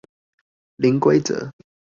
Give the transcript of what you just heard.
零規則